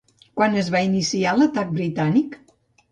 Quan es va iniciar l'atac britànic?